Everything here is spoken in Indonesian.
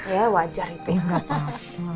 ya wajah itu yang nggak apa apa